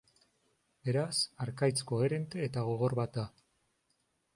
Beraz, harkaitz koherente eta gogor bat da.